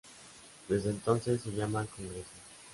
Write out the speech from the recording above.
Desde entonces se llaman Congreso.